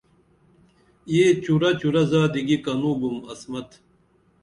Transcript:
یہ چُرہ چُرہ زادی گی کنُو بُم عصمت